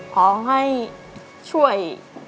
ขอให้ช่วย